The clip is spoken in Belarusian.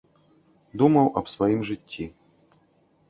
Думаў і аб сваім жыцці.